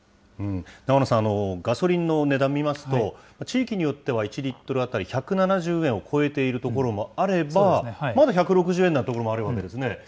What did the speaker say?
永野さん、ガソリンの値段見ますと、地域によっては１リットル当たり１７０円を超えている所もあれば、まだ１６０円の所もあるわけですね。